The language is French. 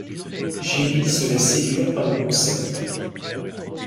Jerry se laisse séduire par le concept.